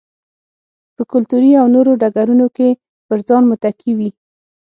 په کلتوري او نورو ډګرونو کې پر ځان متکي وي.